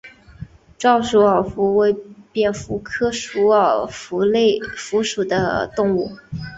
沼鼠耳蝠为蝙蝠科鼠耳蝠属的动物。